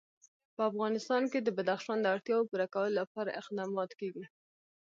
په افغانستان کې د بدخشان د اړتیاوو پوره کولو لپاره اقدامات کېږي.